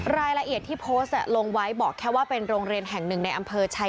รายละเอียดที่โพสต์ลงไว้บอกแค่ว่าเป็นโรงเรียนแห่งหนึ่งในอำเภอชัย